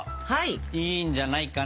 いいんじゃないかな？